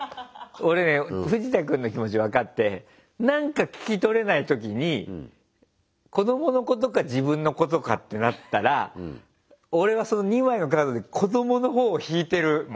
俺ねフジタ君の気持ち分かってなんか聞き取れない時に子供のことか自分のことかってなったら俺はその２枚のカードで子供のほうを引いてる。